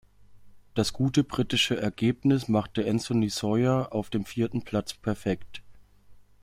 Das gute britische Ergebnis machte Anthony Sawyer auf dem vierten Platz perfekt.